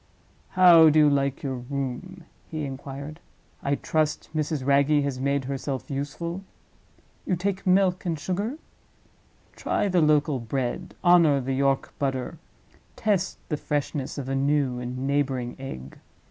"How do you like your room?" he inquired; "I trust Mrs. Wragge has made herself useful? You take milk and sugar? Try the local bread, honor the York butter, test the freshness of a new and neighboring egg.